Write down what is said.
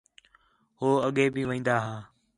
ہو اڳّے بھی وین٘دا ہا